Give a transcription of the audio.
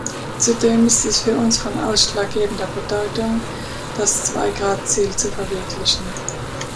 Zudem ist es für uns von ausschlaggebender Bedeutung, das Zwei-Grad-Ziel zu verwirklichen.